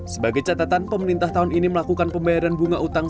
sebagai catatan pemerintah tahun ini melakukan pembayaran bunga utang